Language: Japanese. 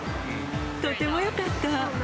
とてもよかった。